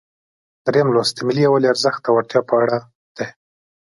دریم لوست د ملي یووالي ارزښت او اړتیا په اړه دی.